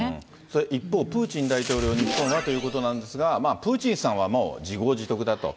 それで、一方プーチン大統領自身はということなんですが、プーチンさんは自業自得だと。